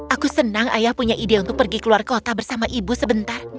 aku senang ayah punya ide untuk pergi keluar kota bersama ibu sebentar